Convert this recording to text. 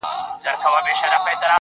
• دادی اوس هم کومه، بيا کومه، بيا کومه.